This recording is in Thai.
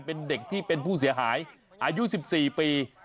เป็นเด็กที่เป็นผู้เสียหายอายุ๑๔ปี